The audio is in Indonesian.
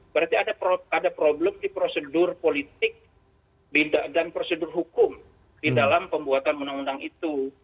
berarti ada problem di prosedur politik dan prosedur hukum di dalam pembuatan undang undang itu